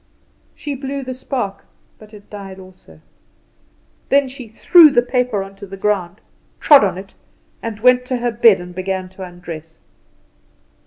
She blew the spark, but it died also. Then she threw the paper on to the ground, trod on it, and went to her bed, and began to undress.